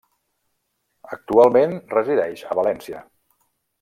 Actualment resideix a València.